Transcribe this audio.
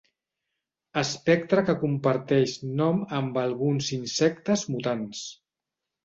Espectre que comparteix nom amb alguns insectes mutants.